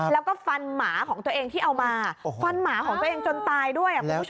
แล้วก็ฟันหมาของตัวเองที่เอามาฟันหมาของตัวเองจนตายด้วยคุณผู้ชม